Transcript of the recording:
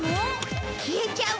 消えちゃう。